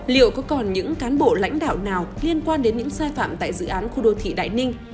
liệu có còn những cán bộ lãnh đạo nào liên quan đến những sai phạm tại dự án khu đô thị đại ninh